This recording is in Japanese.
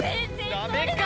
ダメか！